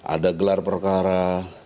ada gelar perkara